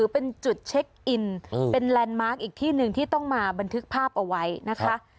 เป็นจุดเช็คอินเป็นแลนด์มาร์คอีกที่หนึ่งที่ต้องมาบันทึกภาพเอาไว้นะคะ